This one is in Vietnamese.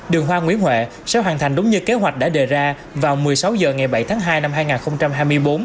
đường hoa nguyễn huệ sẽ hoàn thành đúng như kế hoạch đã đề ra vào một mươi sáu h ngày bảy tháng hai năm hai nghìn hai mươi bốn